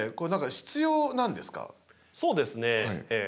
そうですね。